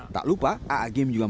tak lupa a'agim juga memperkenalkan